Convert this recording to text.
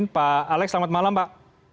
pak alex selamat malam pak